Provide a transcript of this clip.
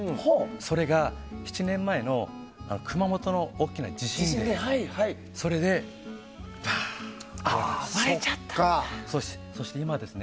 それが、７年前の熊本の大きな地震でそれで割れちゃったんです。